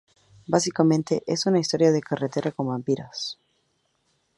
Básicamente es una historia de carretera con vampiros.